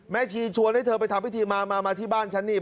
ชีชวนให้เธอไปทำพิธีมามาที่บ้านฉันนี่